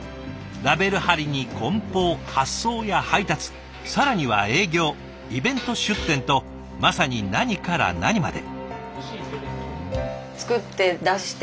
ラベル貼りに梱包発送や配達更には営業イベント出店とまさに何から何まで。